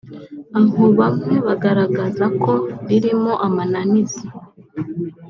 aho bamwe bagaragaza ko ririmo amananiza